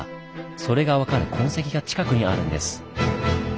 それが分かる痕跡が近くにあるんです。